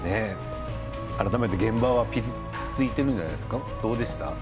改めて現場はピリついていたんじゃないですかどうですか？